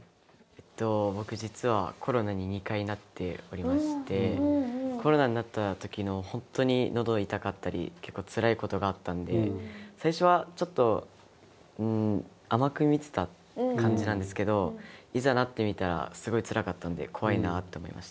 えっと僕実はコロナに２回なっておりましてコロナになった時の本当に喉痛かったり結構つらいことがあったんで最初はちょっとうん甘く見てた感じなんですけどいざなってみたらすごいつらかったんで怖いなと思いました。